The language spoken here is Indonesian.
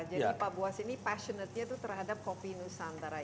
jadi pak buas ini passionate nya itu terhadap kopi nusa antara